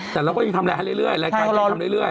แต่เราก็ยังทำอะไรให้เรื่อยรายการเราทำเรื่อย